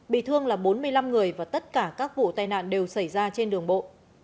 bị thương là bốn mươi năm người và tất cả các vụ tai nạn đều xảy ra trên đường bộ